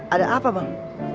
ada apa bang